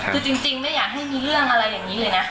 คือจริงไม่อยากให้มีเรื่องอะไรอย่างนี้เลยนะ